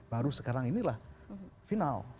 baru sekarang inilah final